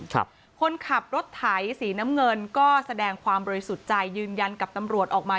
คนขับรถไถสีน้ำเงินก็แสดงความบริสุทธิ์ใจยืนยันกับตำรวจออกมา